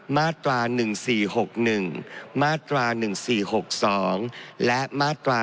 มาตรา๑๔๖๑มาตรา๑๔๖๒และมาตรา๑